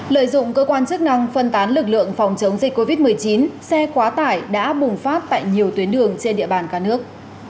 lợi dụng cơ quan chức năng phân tán lực lượng phòng chống dịch covid một mươi chín xe quá tải đã bùng phát tại nhiều tuyến đường trên địa bàn cả nước